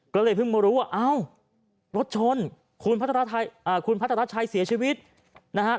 ก็เลยเพิ่งมารู้ว่าเอ้ารถชนคุณพัทรชัยเสียชีวิตนะฮะ